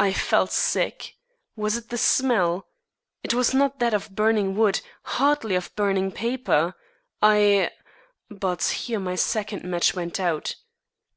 I felt sick. Was it the smell? It was not that of burning wood, hardly of burning paper, I but here my second match went out.